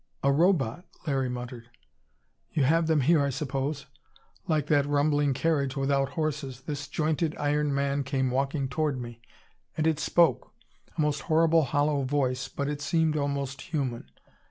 "A Robot!" Larry muttered. "You have them here, I suppose. Like that rumbling carriage without horses, this jointed iron man came walking toward me. And it spoke! A most horrible hollow voice but it seemed almost human.